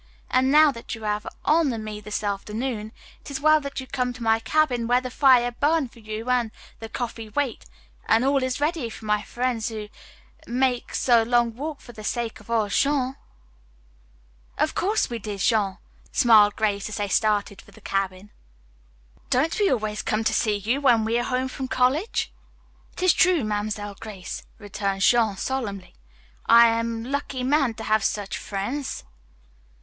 "An' now that you have honor me this afternoon, it is well that you come to my cabin where the fire burn for you an' the coffee wait, an' all is ready for my frien's who mak' so long walk for the sake of ol' Jean." "Of course we did, Jean," smiled Grace as they started for the cabin. "Don't we always come to see you when we are home from college?" "It is true, Mamselle Grace," returned Jean solemnly. "I am lucky man to have such fren's."